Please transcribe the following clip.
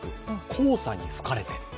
「黄砂に吹かれて」。